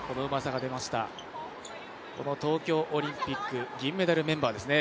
東京オリンピック銀メダルメンバーですね。